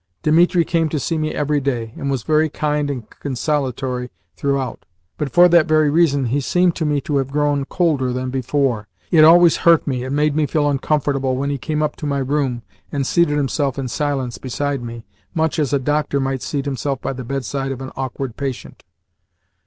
Dimitri came to see me every day, and was very kind and consolatory throughout; but for that very reason he seemed to me to have grown colder than before. It always hurt me and made me feel uncomfortable when he came up to my room and seated himself in silence beside me, much as a doctor might scat himself by the bedside of an awkward patient.